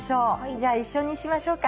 じゃあ一緒にしましょうか。